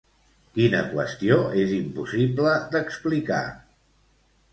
Quina qüestió és impossible d'explicar?